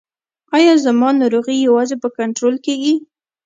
ایا زما ناروغي یوازې په کنټرول کیږي؟